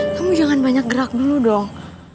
kamu jangan banyak gerak dulu dong